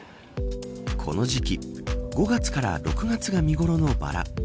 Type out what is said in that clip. この時期、５月から６月が見頃のばら。